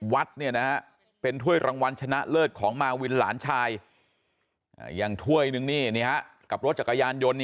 วัดเป็นถ้วยรางวัลชนะเลิศของมาวินหลานชายอย่างถ้วยนึงกับรถจักรยานยนต์